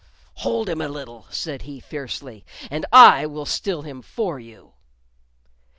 "Hold him a little," said he, fiercely, "and I will still him for you."